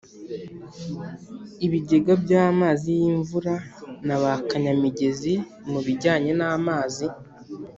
ibigega by amazi y imvura na ba Kanyamigezi mu bijyanye namazi